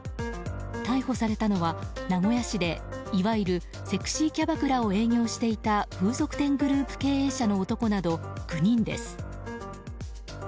逮捕されたのは、名古屋市でいわゆるセクシーキャバクラを営業していた風俗店グループ経営者の男など９人です。